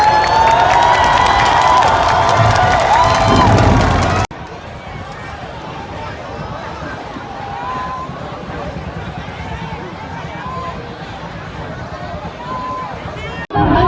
สวัสดีครับทุกคน